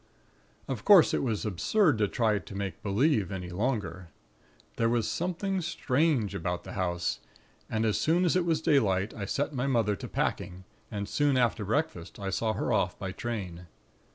"Of course it was absurd to try to make believe any longer. There was something strange about the house; and as soon as it was daylight, I set my mother to packing; and soon after breakfast, I saw her off by train.